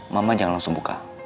mama jangan langsung buka